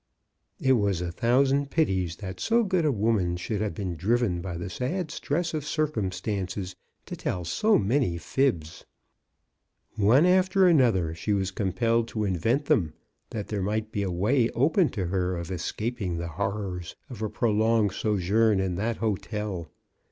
It was a thousand pities that so good a woman should have been driven by the sad stress of cir cumstances to tell so many fibs. One after an other she was compelled to invent them, that there might be a way open to her of escaping the horrors of a prolonged sojourn in that hotel.